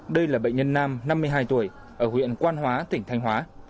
đây là bệnh nhân nam năm mươi hai tuổi ở huyện quan hóa tỉnh thanh hóa